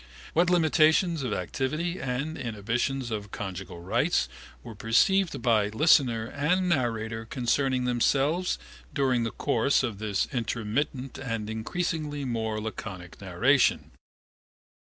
What limitations of activity and inhibitions of conjugal rights were perceived by listener and narrator concerning themselves during the course of this intermittent and increasingly more laconic narration?